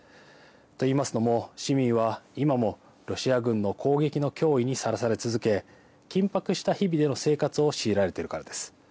といいますのも、市民は今もロシア軍の攻撃の脅威にさらされ続け、緊迫した日々での生活を強いられているからです。